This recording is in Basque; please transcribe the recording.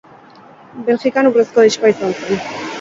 Belgikan urrezko diskoa izan zen.